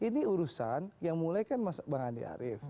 ini urusan yang mulai kan bang andi arief